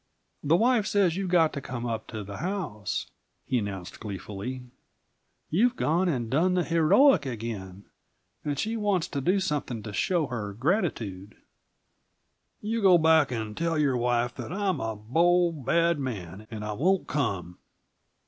"The wife says you've got to come up to the house," he announced gleefully. "You've gone and done the heroic again, and she wants to do something to show her gratitude." "You go back and tell your wife that I'm a bold, bad man and I won't come."